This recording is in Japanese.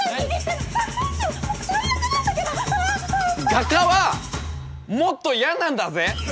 画家はもっと嫌なんだぜ！